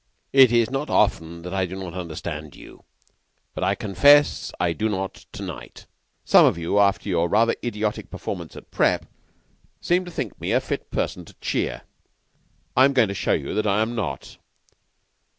"It is not often that I do not understand you; but I confess I do not to night. Some of you, after your idiotic performances at prep., seem to think me a fit person to cheer. I am going to show you that I am not."